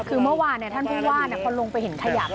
คือเมื่อวานท่านผู้ว่าพอลงไปเห็นขยะ